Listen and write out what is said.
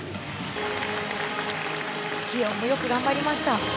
希容もよく頑張りました。